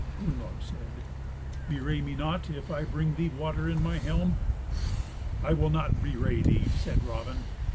Gunnlaug said, "Bewray me not if I bring thee water in my helm." "I will not bewray thee," said Raven.